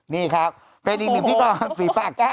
นี่ครับเป็นอีกหนึ่งพี่ตอนสีปลาแก้ว